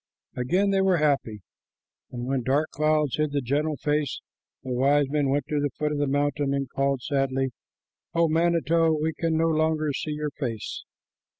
Again they were happy, but when dark clouds hid the gentle face, the wise men went to the foot of the mountain and called sadly, "O manito, we can no longer see your face."